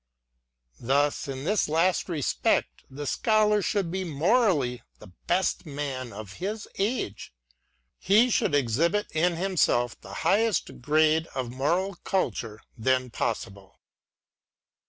Thus, in this last respect, the Scholar should be morally the best man of his age; — he should exhibit in himself the highest grade of moral culture then possible.